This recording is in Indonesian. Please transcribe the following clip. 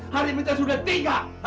harimu sudah tiga